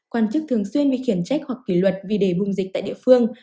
quan chức thường xuyên bị khiển trách hoặc kỷ luật vì để bùng dịch tại địa phương